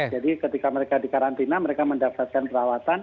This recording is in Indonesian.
jadi ketika mereka di karantina mereka mendapatkan perawatan